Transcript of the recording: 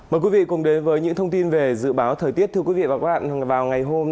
mời quý vị cùng đến với những thông tin về dự báo thời tiết thưa quý vị và các bạn vào ngày hôm nay